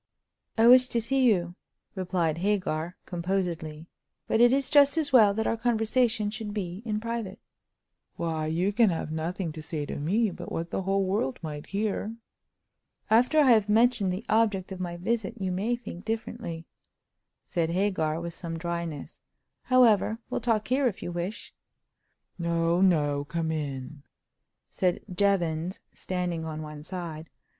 "I wish to see you," replied Hagar, composedly, "but it is just as well that our conversation should be in private." "Why, you can have nothing to say to me but what the whole world might hear!" "After I have mentioned the object of my visit you may think differently," said Hagar, with some dryness. "However, we'll talk here if you wish." "No, no; come in," said Jevons, standing on one side.